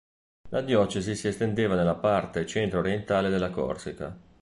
La diocesi si estendeva nella parte centro-orientale della Corsica.